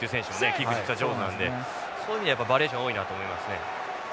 キック実は上手なのでそういう意味ではバリエーションが多いなと思いますね。